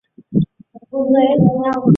壮吻额蛛为皿蛛科吻额蛛属的动物。